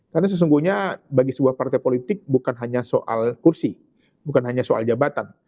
karena sesungguhnya bagi sebuah partai politik bukan hanya soal kursi bukan hanya soal jabatan